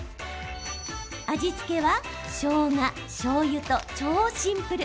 味付けは、しょうが、しょうゆと超シンプル。